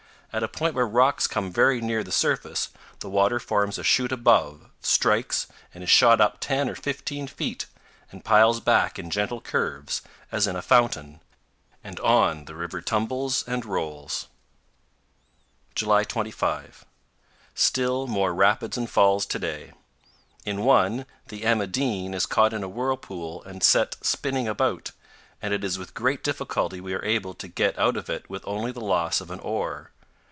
At a point where rocks come very near the surface, the water forms a chute above, strikes, and is shot up 10 or 15 feet, and piles back in gentle curves, as in a fountain; and on the river tumbles and rolls. July 25. Still more rapids and falls to day. In one, the "Emma Dean" is caught in a whirlpool and set spinning about, and it is with great difficulty we are able to get out of it with only the loss of an oar.